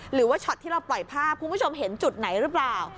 หรือว่าช็อตที่เราปล่อยภาพคุณผู้ชมเห็นจุดไหนหรือเปล่า